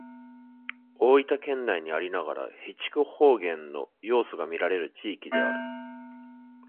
大分県内にありながら肥筑方言の要素がみられる地域である。